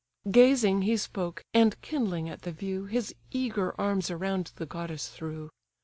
Gazing he spoke, and, kindling at the view, His eager arms around the goddess threw.